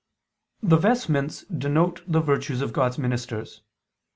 The vestments denote the virtues of God's ministers.